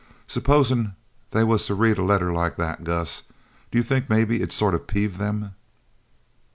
"Supposin' they was to read a letter like that, Gus. D'you think maybe it'd sort of peeve them?"